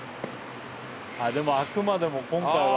あぁでもあくまでも今回は。